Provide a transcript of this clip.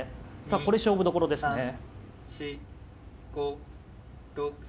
さあこれ勝負どころですね。